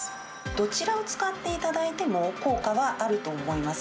どちらを使っていただいても、効果はあると思います。